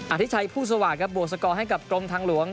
ธิชัยผู้สวาสครับบวกสกอร์ให้กับกรมทางหลวง